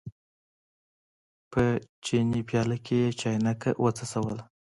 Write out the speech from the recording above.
په چیني پیاله کې یې چاینکه وڅڅوله.